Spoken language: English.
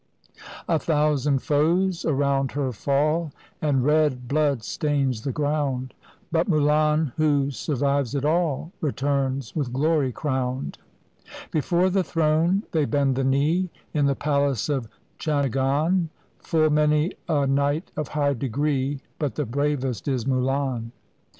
A thousand foes around her fall, And red blood stains the ground; But Mulan, who survives it all. Returns with glory crowned. Before the throne they bend the knee In the palace of Changan, Full many a knight of high degree. But the bravest is Mulan.